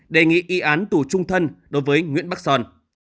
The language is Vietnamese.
đề nghị y án tù trung thân đối với nguyễn bắc son